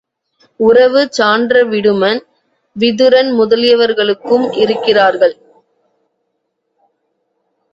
உறவு சான்ற விடுமன், விதுரன் முதலியவர்களும் இருக்கிறார்கள்.